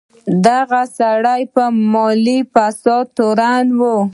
دغه سړی په مالي فساد تورن و.